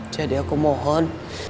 jadi aku mohon